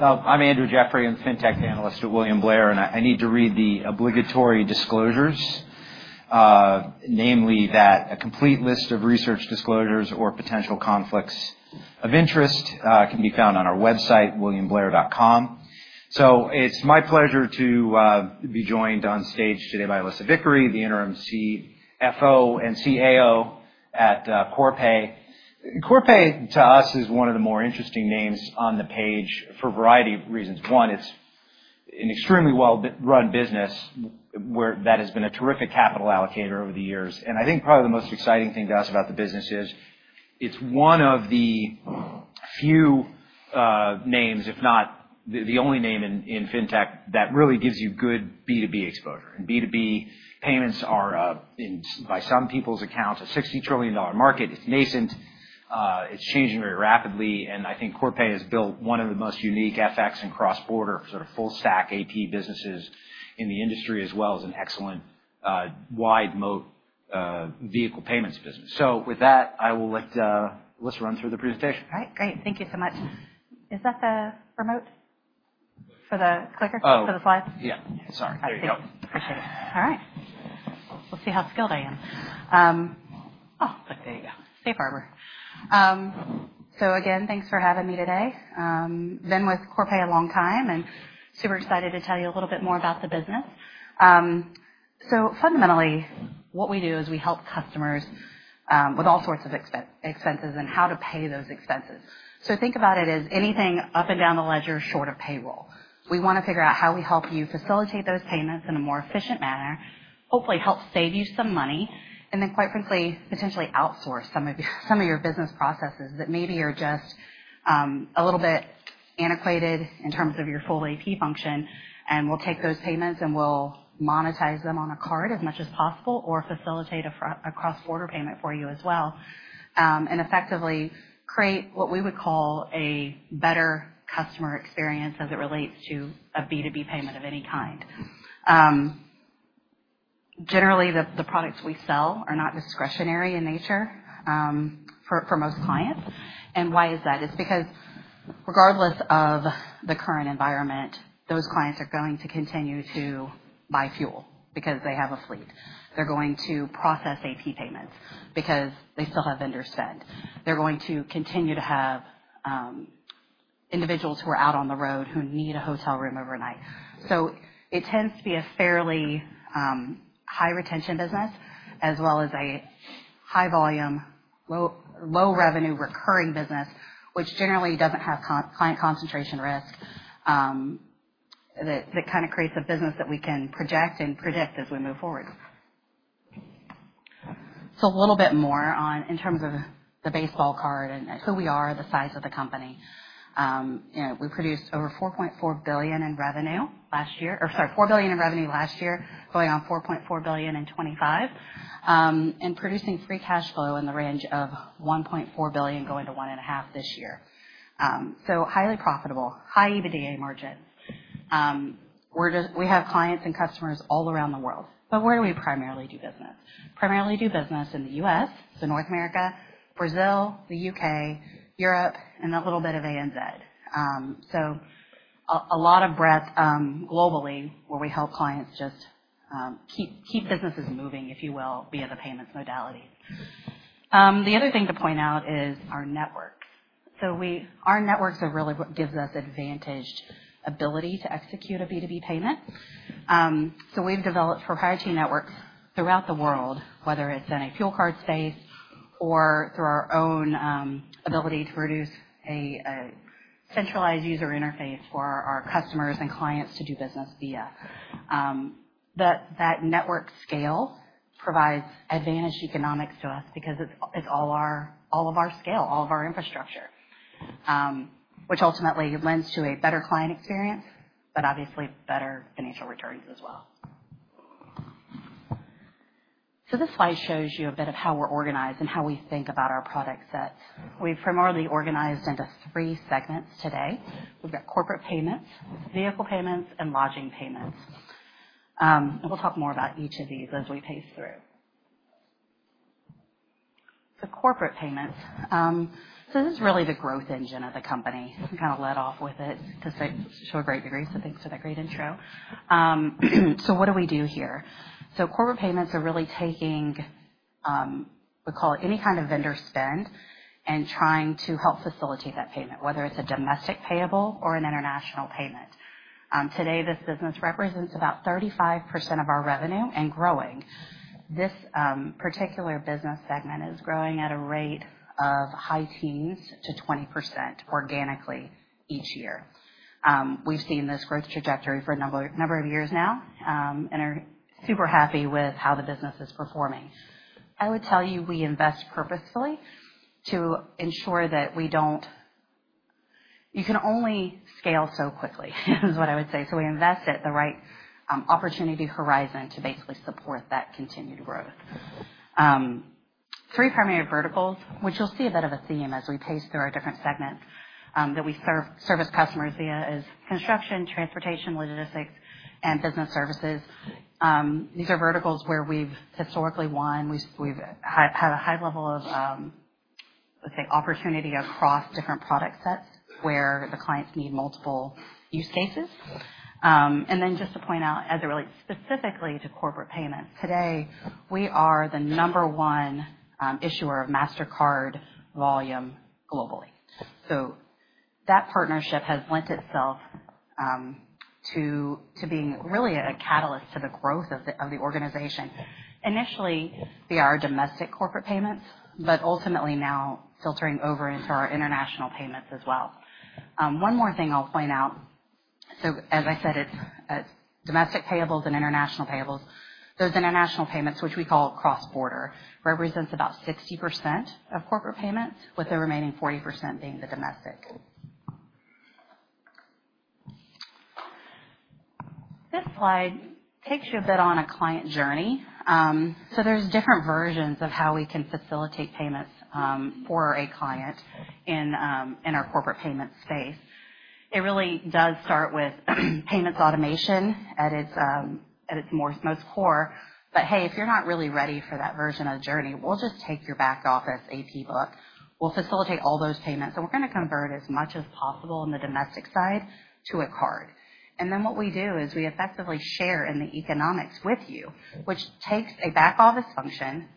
I'm Andrew Jeffrey, I'm the Fintech Analyst at William Blair, and I need to read the obligatory disclosures, namely that a complete list of research disclosures or potential conflicts of interest can be found on our website, williamblair.com. It's my pleasure to be joined on stage today by Alissa Vickery, the Interim CFO and CAO at Corpay. Corpay, to us, is one of the more interesting names on the page for a variety of reasons. One, it's an extremely well-run business that has been a terrific capital allocator over the years. I think probably the most exciting thing to us about the business is it's one of the few names, if not the only name in Fintech that really gives you good B2B exposure. B2B payments are, by some people's accounts, a $60 trillion market. It's nascent. It's changing very rapidly. I think Corpay has built one of the most unique FX and cross-border sort of full-stack AP businesses in the industry, as well as an excellent wide moat vehicle payments business. With that, I will let Alissa run through the presentation. All right. Great. Thank you so much. Is that the remote for the clicker for the slides? Yeah. Sorry. There you go. Appreciate it. All right. We'll see how skilled I am. Oh, look, there you go. Safe harbor. So again, thanks for having me today. I've been with Corpay a long time and super excited to tell you a little bit more about the business. So fundamentally, what we do is we help customers with all sorts of expenses and how to pay those expenses. So think about it as anything up and down the ledger short of payroll. We want to figure out how we help you facilitate those payments in a more efficient manner, hopefully help save you some money, and then, quite frankly, potentially outsource some of your business processes that maybe are just a little bit antiquated in terms of your full AP function. We will take those payments and we'll monetize them on a card as much as possible or facilitate a cross-border payment for you as well and effectively create what we would call a better customer experience as it relates to a B2B payment of any kind. Generally, the products we sell are not discretionary in nature for most clients. Why is that? It's because regardless of the current environment, those clients are going to continue to buy fuel because they have a fleet. They're going to process AP payments because they still have vendor spend. They're going to continue to have individuals who are out on the road who need a hotel room overnight. It tends to be a fairly high-retention business as well as a high-volume, low-revenue recurring business, which generally does not have client concentration risk that kind of creates a business that we can project and predict as we move forward. A little bit more in terms of the baseball card and who we are, the size of the company. We produced over $4 billion in revenue last year, going on $4.4 billion in 2025, and producing free cash flow in the range of $1.4 billion-$1.5 billion this year. Highly profitable, high EBITDA margins. We have clients and customers all around the world. Where do we primarily do business? Primarily do business in the U.S., so North America, Brazil, the U.K., Europe, and a little bit of ANZ. So a lot of breadth globally where we help clients just keep businesses moving, if you will, via the payments modalities. The other thing to point out is our networks. Our networks are really what gives us advantaged ability to execute a B2B payment. We've developed proprietary networks throughout the world, whether it's in a fuel card space or through our own ability to produce a centralized user interface for our customers and clients to do business via. That network scale provides advantaged economics to us because it's all of our scale, all of our infrastructure, which ultimately lends to a better client experience, but obviously better financial returns as well. This slide shows you a bit of how we're organized and how we think about our product sets. We've primarily organized into three segments today. We've got corporate payments, vehicle payments, and lodging payments. We'll talk more about each of these as we pace through. Corporate payments. This is really the growth engine of the company. I kind of led off with it to a great degree. Thanks for that great intro. What do we do here? Corporate payments are really taking, we call it, any kind of vendor spend and trying to help facilitate that payment, whether it's a domestic payable or an international payment. Today, this business represents about 35% of our revenue and growing. This particular business segment is growing at a rate of high teens to 20% organically each year. We've seen this growth trajectory for a number of years now and are super happy with how the business is performing. I would tell you we invest purposefully to ensure that we don't, you can only scale so quickly is what I would say. We invest at the right opportunity horizon to basically support that continued growth. Three primary verticals, which you'll see a bit of a theme as we pace through our different segments that we service customers via, are construction, transportation, logistics, and business services. These are verticals where we've historically won. We've had a high level of, I would say, opportunity across different product sets where the clients need multiple use cases. Just to point out, as it relates specifically to corporate payments, today, we are the number one issuer of Mastercard volume globally. That partnership has lent itself to being really a catalyst to the growth of the organization, initially via our domestic corporate payments, but ultimately now filtering over into our international payments as well. One more thing I'll point out. As I said, it's domestic payables and international payables. Those international payments, which we call cross-border, represent about 60% of corporate payments, with the remaining 40% being the domestic. This slide takes you a bit on a client journey. There are different versions of how we can facilitate payments for a client in our corporate payment space. It really does start with payments automation at its most core. If you're not really ready for that version of the journey, we'll just take your back office AP book. We'll facilitate all those payments. We're going to convert as much as possible on the domestic side to a card. What we do is we effectively share in the economics with you, which takes a back office function,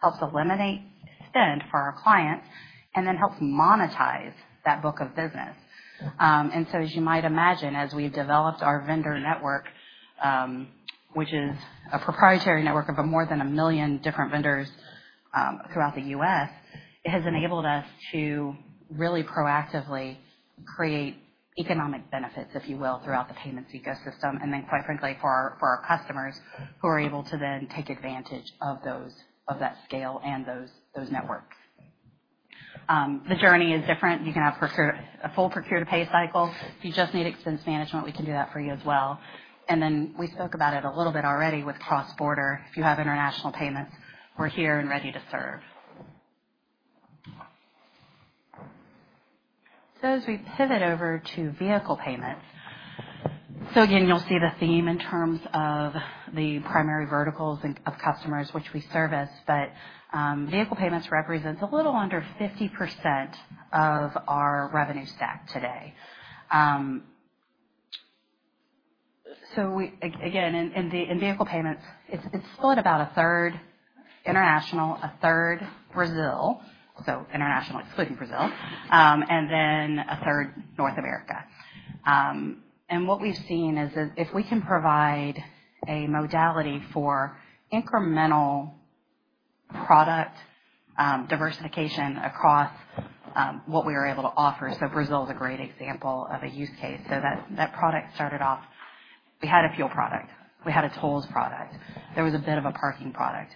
helps eliminate spend for our clients, and then helps monetize that book of business. As you might imagine, as we've developed our vendor network, which is a proprietary network of more than a million different vendors throughout the U.S., it has enabled us to really proactively create economic benefits, if you will, throughout the payments ecosystem. Quite frankly, for our customers who are able to then take advantage of that scale and those networks, the journey is different. You can have a full procure-to-pay cycle. If you just need expense management, we can do that for you as well. We spoke about it a little bit already with cross-border. If you have international payments, we're here and ready to serve. As we pivot over to vehicle payments, again, you'll see the theme in terms of the primary verticals of customers which we service, but vehicle payments represents a little under 50% of our revenue stack today. Again, in vehicle payments, it's split about a third international, a third Brazil, so international excluding Brazil, and then a third North America. What we've seen is if we can provide a modality for incremental product diversification across what we are able to offer. Brazil is a great example of a use case. That product started off, we had a fuel product. We had a tolls product. There was a bit of a parking product.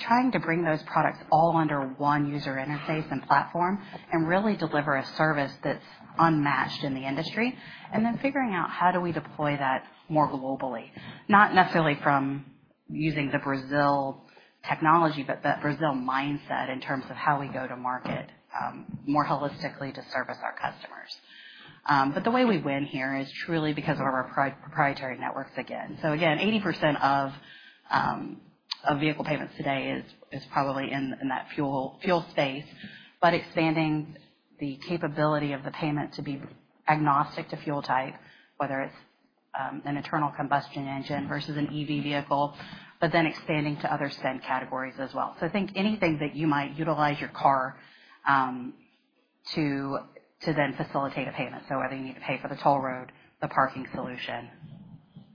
Trying to bring those products all under one user interface and platform and really deliver a service that's unmatched in the industry, and then figuring out how do we deploy that more globally, not necessarily from using the Brazil technology, but that Brazil mindset in terms of how we go to market more holistically to service our customers. The way we win here is truly because of our proprietary networks again. Again, 80% of vehicle payments today is probably in that fuel space, but expanding the capability of the payment to be agnostic to fuel type, whether it is an internal combustion engine versus an EV vehicle, but then expanding to other spend categories as well. I think anything that you might utilize your car to then facilitate a payment, whether you need to pay for the toll road, the parking solution,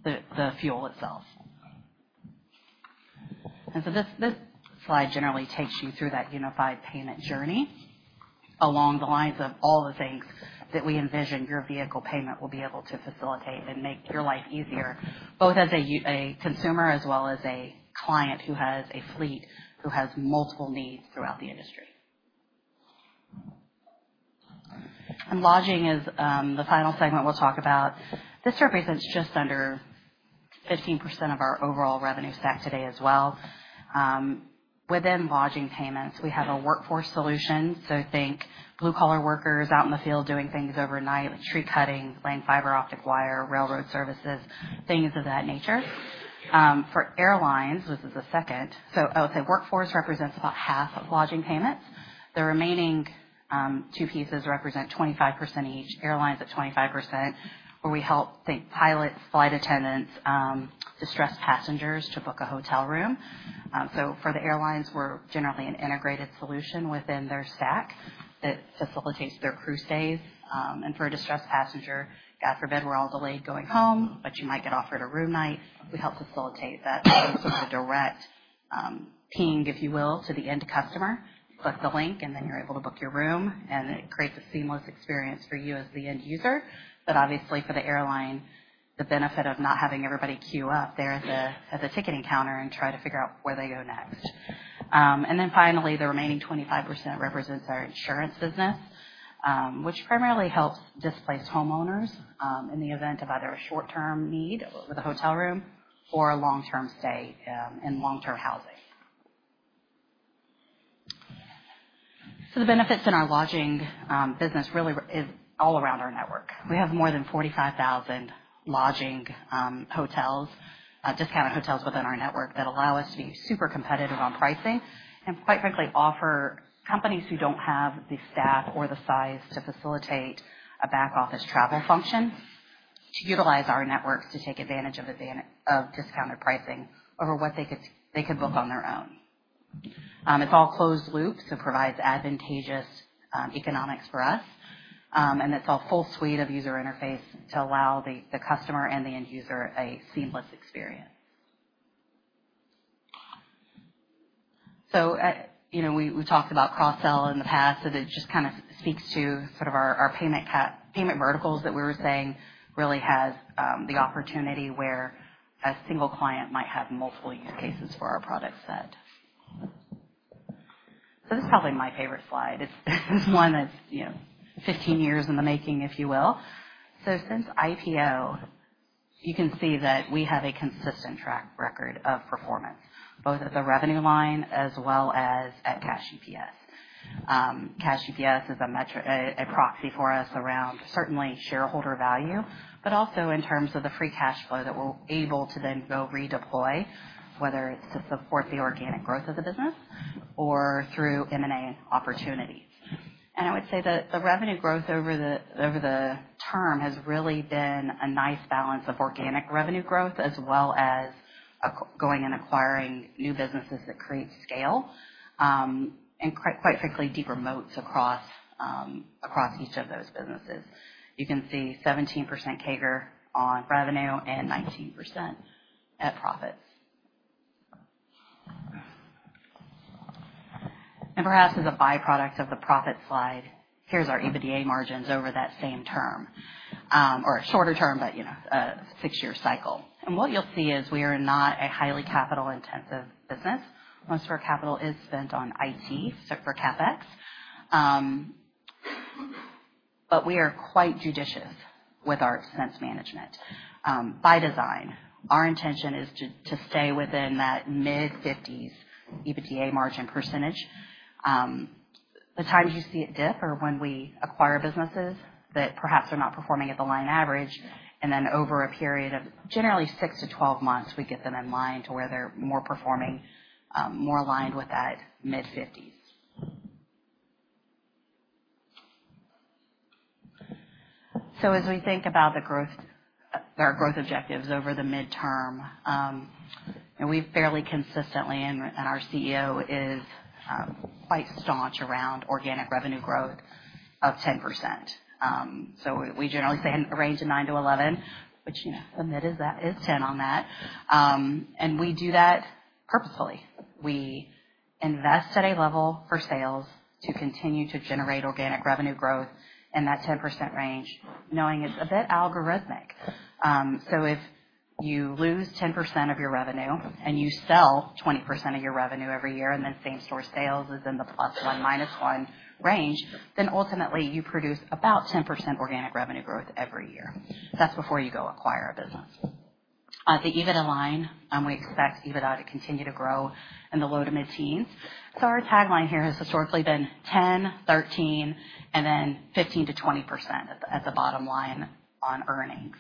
the fuel itself. This slide generally takes you through that unified payment journey along the lines of all the things that we envision your vehicle payment will be able to facilitate and make your life easier, both as a consumer as well as a client who has a fleet who has multiple needs throughout the industry. Lodging is the final segment we'll talk about. This represents just under 15% of our overall revenue stack today as well. Within lodging payments, we have a workforce solution. Think blue-collar workers out in the field doing things overnight, like tree cutting, laying fiber optic wire, railroad services, things of that nature. For airlines, this is the second. I would say workforce represents about half of lodging payments. The remaining two pieces represent 25% each. Airlines at 25%, where we help—think pilots, flight attendants, distressed passengers—to book a hotel room. For the airlines, we're generally an integrated solution within their stack that facilitates their crew stays. For a distressed passenger, God forbid we're all delayed going home, but you might get offered a room night. We help facilitate that. It's a direct ping, if you will, to the end customer. Click the link, and then you're able to book your room, and it creates a seamless experience for you as the end user. Obviously, for the airline, the benefit of not having everybody queue up there at the ticketing counter and try to figure out where they go next. Finally, the remaining 25% represents our insurance business, which primarily helps displace homeowners in the event of either a short-term need with a hotel room or a long-term stay in long-term housing. The benefits in our lodging business really is all around our network. We have more than 45,000 lodging hotels, discounted hotels within our network that allow us to be super competitive on pricing and, quite frankly, offer companies who do not have the staff or the size to facilitate a back office travel function to utilize our network to take advantage of discounted pricing over what they could book on their own. It is all closed loop, so it provides advantageous economics for us. And it is a full suite of user interface to allow the customer and the end user a seamless experience. We talked about cross-sell in the past. It just kind of speaks to sort of our payment verticals that we were saying really has the opportunity where a single client might have multiple use cases for our product set. This is probably my favorite slide. It is one that is 15 years in the making, if you will. Since IPO, you can see that we have a consistent track record of performance, both at the revenue line as well as at cash EPS. Cash EPS is a proxy for us around certainly shareholder value, but also in terms of the free cash flow that we're able to then go redeploy, whether it's to support the organic growth of the business or through M&A opportunities. I would say that the revenue growth over the term has really been a nice balance of organic revenue growth as well as going and acquiring new businesses that create scale and, quite frankly, deeper moats across each of those businesses. You can see 17% CAGR on revenue and 19% at profits. Perhaps as a byproduct of the profit slide, here's our EBITDA margins over that same term or shorter term, but a six-year cycle. What you'll see is we are not a highly capital-intensive business. Most of our capital is spent on IT for CapEx. We are quite judicious with our expense management. By design, our intention is to stay within that mid-50s EBITDA margin percentage. The times you see it dip are when we acquire businesses that perhaps are not performing at the line average. Over a period of generally 6-12 months, we get them in line to where they're more performing, more aligned with that mid-50s. As we think about our growth objectives over the midterm, we've fairly consistently, and our CEO is quite staunch around organic revenue growth of 10%. We generally say in a range of 9%-11%, which the mid is 10% on that. We do that purposefully. We invest at a level for sales to continue to generate organic revenue growth in that 10% range, knowing it's a bit algorithmic. If you lose 10% of your revenue and you sell 20% of your revenue every year, and then same-store sales is in the plus one, minus one range, ultimately you produce about 10% organic revenue growth every year. That's before you go acquire a business. The EBITDA line, we expect EBITDA to continue to grow in the low to mid-teens. Our tagline here has historically been 10%, 13%, and then 15%-20% at the bottom line on earnings.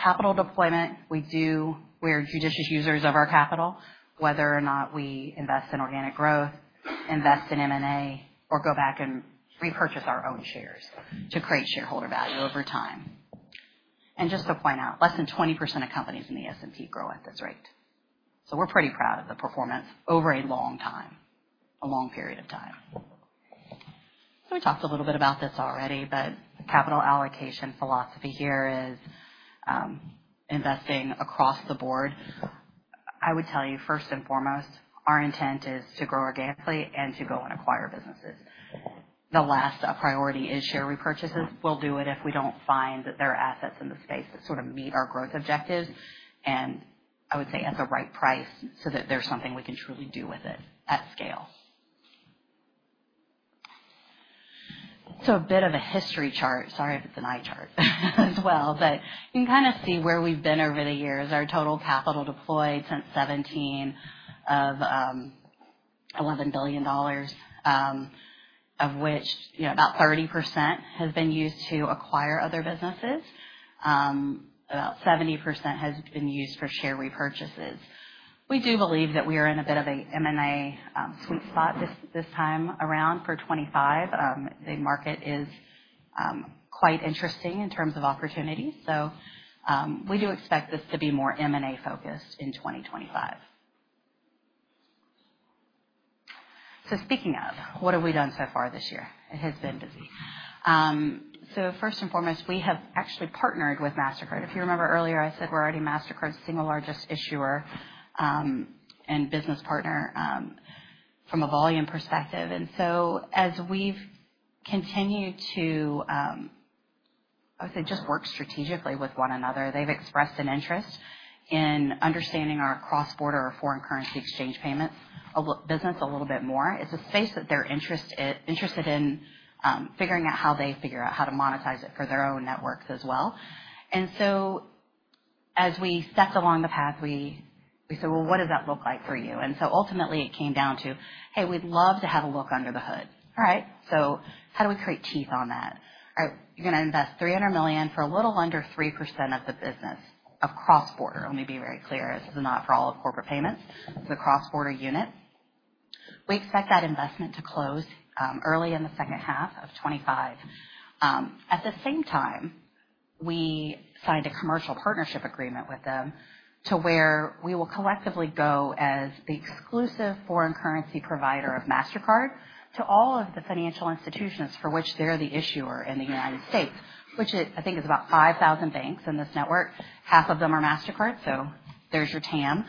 Capital deployment, we are judicious users of our capital, whether or not we invest in organic growth, invest in M&A, or go back and repurchase our own shares to create shareholder value over time. Just to point out, less than 20% of companies in the S&P grow at this rate. We're pretty proud of the performance over a long time, a long period of time. We talked a little bit about this already, but the capital allocation philosophy here is investing across the board. I would tell you, first and foremost, our intent is to grow organically and to go and acquire businesses. The last priority is share repurchases. We'll do it if we don't find that there are assets in the space that sort of meet our growth objectives. I would say at the right price so that there's something we can truly do with it at scale. A bit of a history chart. Sorry if it's an eye chart as well, but you can kind of see where we've been over the years. Our total capital deployed since 2017 of $11 billion, of which about 30% has been used to acquire other businesses. About 70% has been used for share repurchases. We do believe that we are in a bit of a M&A sweet spot this time around for 2025. The market is quite interesting in terms of opportunity. We do expect this to be more M&A-focused in 2025. Speaking of, what have we done so far this year? It has been busy. First and foremost, we have actually partnered with Mastercard. If you remember earlier, I said we're already Mastercard's single largest issuer and business partner from a volume perspective. As we've continued to, I would say, just work strategically with one another, they've expressed an interest in understanding our cross-border or foreign currency exchange payments business a little bit more. It's a space that they're interested in figuring out how they figure out how to monetize it for their own networks as well. As we stepped along the path, we said, "Well, what does that look like for you?" Ultimately, it came down to, "Hey, we'd love to have a look under the hood." All right. How do we create teeth on that? You're going to invest $300 million for a little under 3% of the business of cross-border. Let me be very clear. This is not for all of Corporate Payments. It's a cross-border unit. We expect that investment to close early in the second half of 2025. At the same time, we signed a commercial partnership agreement with them to where we will collectively go as the exclusive foreign currency provider of Mastercard to all of the financial institutions for which they're the issuer in the United States, which I think is about 5,000 banks in this network. Half of them are Mastercard, so there's your TAM.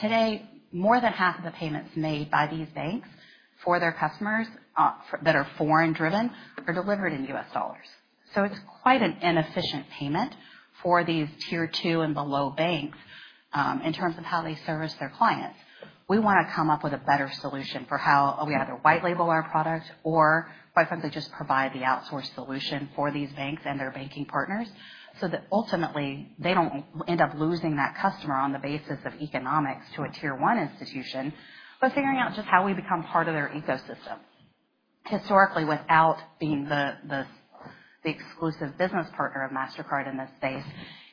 Today, more than half of the payments made by these banks for their customers that are foreign-driven are delivered in US dollars. It is quite an inefficient payment for these tier two and below banks in terms of how they service their clients. We want to come up with a better solution for how we either white label our product or, quite frankly, just provide the outsource solution for these banks and their banking partners so that ultimately they do not end up losing that customer on the basis of economics to a tier one institution, but figuring out just how we become part of their ecosystem. Historically, without being the exclusive business partner of Mastercard in this space,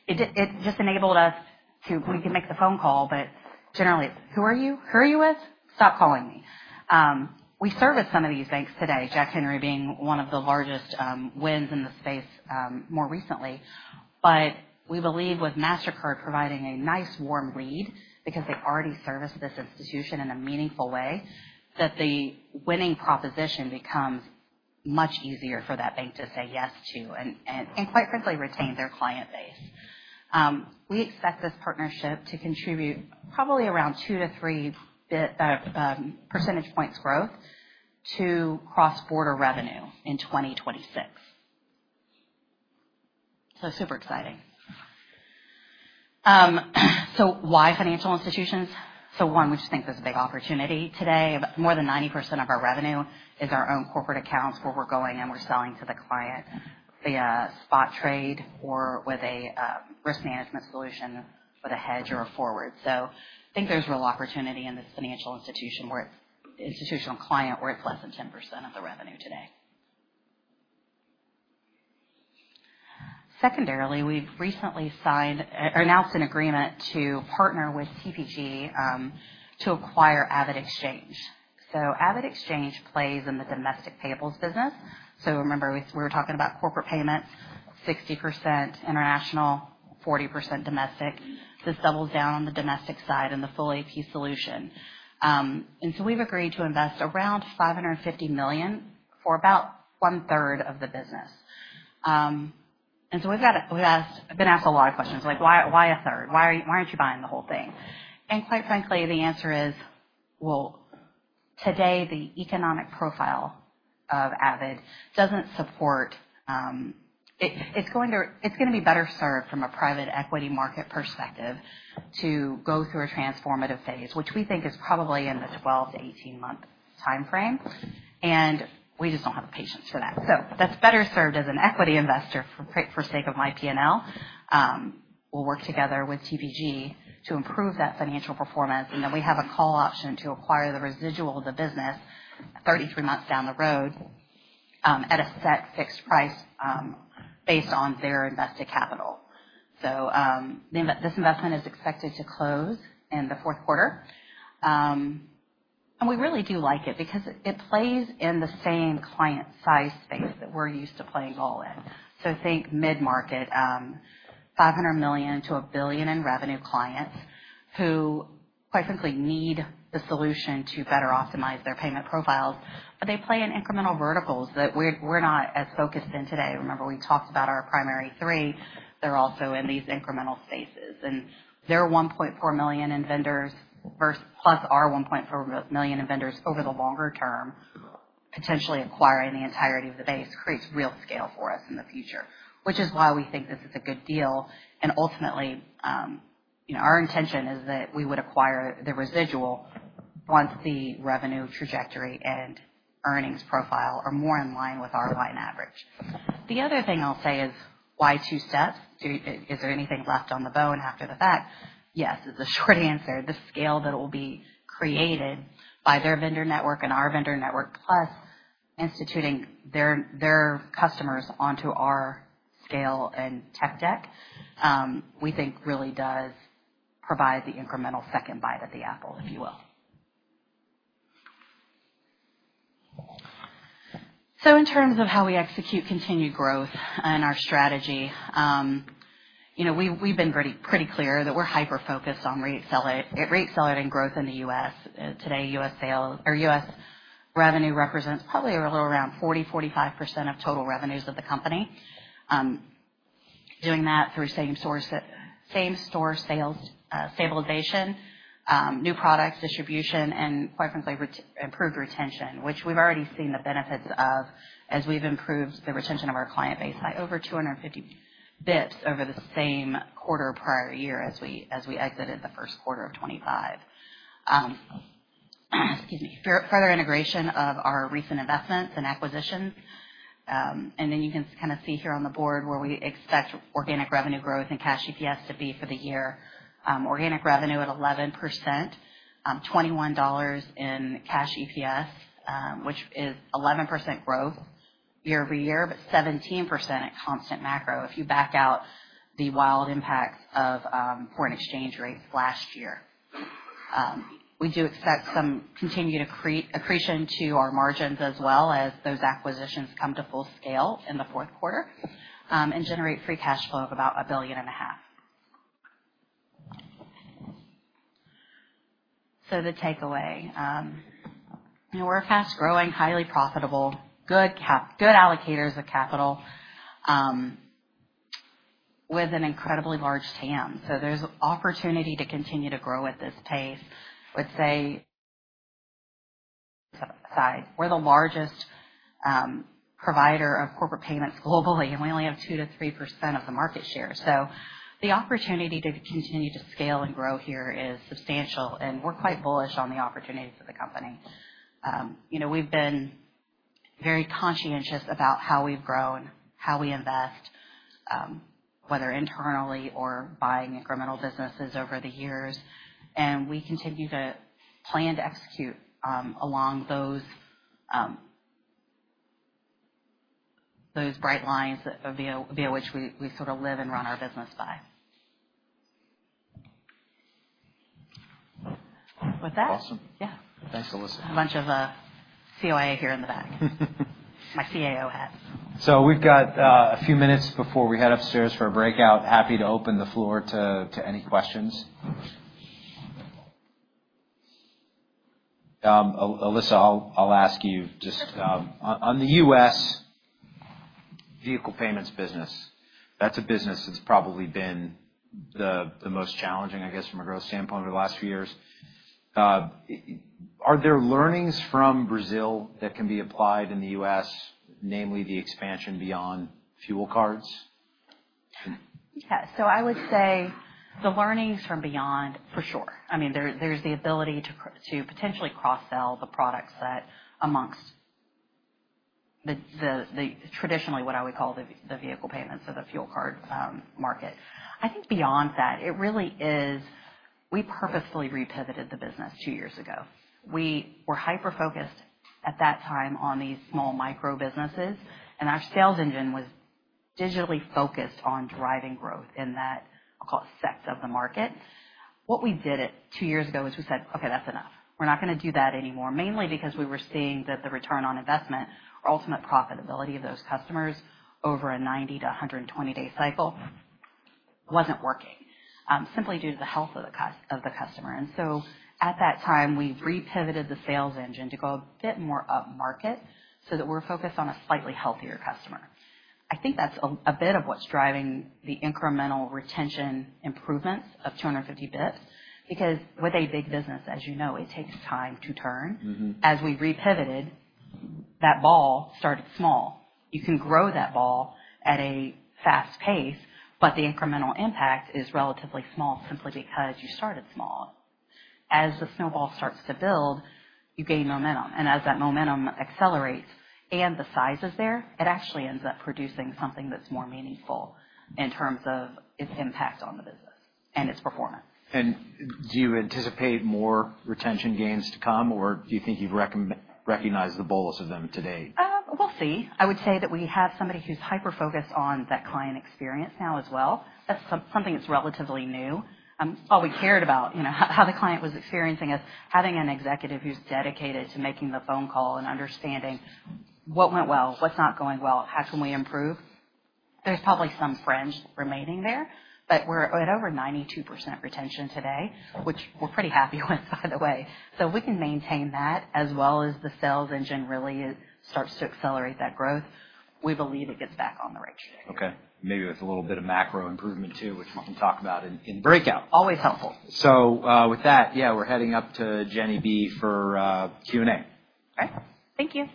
it just enabled us to—we can make the phone call, but generally, it is, "Who are you? Who are you with? Stop calling me." We service some of these banks today, Jack Henry being one of the largest wins in the space more recently. We believe with Mastercard providing a nice warm lead because they already service this institution in a meaningful way, that the winning proposition becomes much easier for that bank to say yes to and, quite frankly, retain their client base. We expect this partnership to contribute probably around two to three percentage points growth to cross-border revenue in 2026. Super exciting. Why financial institutions? One, we just think there's a big opportunity today. More than 90% of our revenue is our own corporate accounts where we're going and we're selling to the client via spot trade or with a risk management solution with a hedge or a forward. I think there's real opportunity in this financial institution where it's institutional client where it's less than 10% of the revenue today. Secondarily, we've recently signed or announced an agreement to partner with TPG to acquire AvidXchange. So AvidXchange plays in the domestic payables business. So remember, we were talking about corporate payments, 60% international, 40% domestic. This doubles down on the domestic side and the full AP solution. And so we've agreed to invest around $550 million for about one-third of the business. And so we've been asked a lot of questions, like, "Why a third? Why aren't you buying the whole thing?" Quite frankly, the answer is, well, today, the economic profile of AvidXchange doesn't support it's going to be better served from a private equity market perspective to go through a transformative phase, which we think is probably in the 12-18 month time frame. We just don't have the patience for that. That's better served as an equity investor for the sake of my P&L. We'll work together with TPG to improve that financial performance. We have a call option to acquire the residual of the business 33 months down the road at a set fixed price based on their invested capital. This investment is expected to close in the fourth quarter. We really do like it because it plays in the same client size space that we're used to playing ball in. Think mid-market, $500 million-$1 billion in revenue clients who, quite frankly, need the solution to better optimize their payment profiles. They play in incremental verticals that we're not as focused in today. Remember, we talked about our primary three. They're also in these incremental spaces. Their 1.4 million in vendors versus plus our 1.4 million in vendors over the longer term, potentially acquiring the entirety of the base creates real scale for us in the future, which is why we think this is a good deal. Ultimately, our intention is that we would acquire the residual once the revenue trajectory and earnings profile are more in line with our line average. The other thing I'll say is, why two steps? Is there anything left on the bone after the fact? Yes, is the short answer. The scale that will be created by their vendor network and our vendor network plus instituting their customers onto our scale and tech deck, we think really does provide the incremental second bite at the apple, if you will. In terms of how we execute continued growth and our strategy, we've been pretty clear that we're hyper-focused on re-accelerating growth in the U.S. Today, U.S. revenue represents probably a little around 40%-45% of total revenues of the company. Doing that through same-store sales stabilization, new products, distribution, and, quite frankly, improved retention, which we've already seen the benefits of as we've improved the retention of our client base by over 250 basis points over the same quarter prior year as we exited the first quarter of 2025. Excuse me. Further integration of our recent investments and acquisitions. You can kind of see here on the board where we expect organic revenue growth and cash EPS to be for the year. Organic revenue at 11%, $21 in cash EPS, which is 11% growth year-over-year, but 17% at constant macro if you back out the wild impacts of foreign exchange rates last year. We do expect some continued accretion to our margins as well as those acquisitions come to full scale in the fourth quarter and generate free cash flow of about $1.5 billion. The takeaway, we're a fast-growing, highly profitable, good allocators of capital with an incredibly large TAM. There's opportunity to continue to grow at this pace. I would say we're the largest provider of corporate payments globally, and we only have 2%-3% of the market share. The opportunity to continue to scale and grow here is substantial, and we're quite bullish on the opportunities of the company. We've been very conscientious about how we've grown, how we invest, whether internally or buying incremental businesses over the years. We continue to plan to execute along those bright lines via which we sort of live and run our business by. With that. Awesome. Yeah. Thanks, Alissa. A bunch of CAO here in the back. My CAO hat. We've got a few minutes before we head upstairs for a breakout. Happy to open the floor to any questions. Alissa, I'll ask you just on the U.S. vehicle payments business, that's a business that's probably been the most challenging, I guess, from a growth standpoint over the last few years. Are there learnings from Brazil that can be applied in the U.S., namely the expansion beyond fuel cards? Yeah. I would say the learnings from beyond, for sure. I mean, there's the ability to potentially cross-sell the products that amongst the traditionally what I would call the vehicle payments or the fuel card market. I think beyond that, it really is we purposefully repivoted the business two years ago. We were hyper-focused at that time on these small micro businesses, and our sales engine was digitally focused on driving growth in that, I'll call it, sector of the market. What we did two years ago is we said, "Okay, that's enough. We're not going to do that anymore," mainly because we were seeing that the return on investment, ultimate profitability of those customers over a 90 to 120-day cycle wasn't working simply due to the health of the customer. And so at that time, we repivoted the sales engine to go a bit more up market so that we're focused on a slightly healthier customer. I think that's a bit of what's driving the incremental retention improvements of 250 basis points because with a big business, as you know, it takes time to turn. As we repivoted, that ball started small. You can grow that ball at a fast pace, but the incremental impact is relatively small simply because you started small. As the snowball starts to build, you gain momentum. As that momentum accelerates and the size is there, it actually ends up producing something that's more meaningful in terms of its impact on the business and its performance. Do you anticipate more retention gains to come, or do you think you've recognized the bolus of them today? We'll see. I would say that we have somebody who's hyper-focused on that client experience now as well. That's something that's relatively new. All we cared about how the client was experiencing is having an executive who's dedicated to making the phone call and understanding what went well, what's not going well, how can we improve. There's probably some fringe remaining there, but we're at over 92% retention today, which we're pretty happy with, by the way. If we can maintain that as well as the sales engine really starts to accelerate that growth, we believe it gets back on the right track. Maybe with a little bit of macro improvement too, which we can talk about in breakout. Always helpful. With that, yeah, we're heading up to Jenny B for Q&A. Thank you.